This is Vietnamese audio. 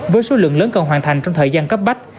với số lượng lớn cần hoàn thành trong thời gian cấp bách